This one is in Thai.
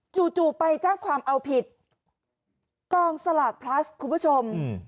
จู่ไปแจ้งความเอาผิดกองสลากพลัสคุณผู้ชม